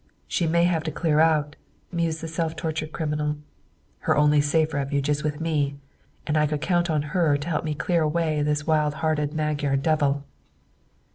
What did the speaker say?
"She may have to clear out," mused the self tortured criminal. "Her only safe refuge is with me, and I could count on her to help me clear away this wild hearted Magyar devil."